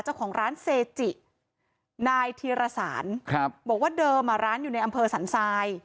เจ้าของร้านเซจินายธีรสารครับบอกว่าเดิมอ่ะร้านอยู่ในอำเภอสันทราย